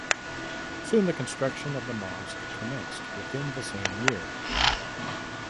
Soon the construction of the mosque commenced within the same year.